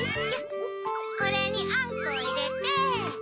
これにあんこをいれて。